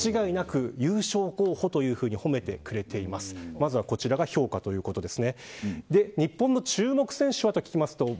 まずはこちらが評価ということです。